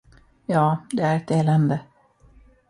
Ja, det är ett elände!